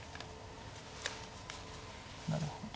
なるほど。